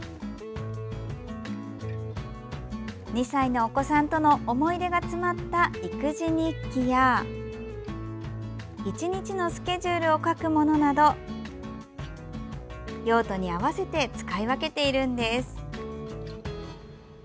２歳のお子さんとの思い出が詰まった育児日記や１日のスケジュールを書くものなど用途に合わせて使い分けているんです。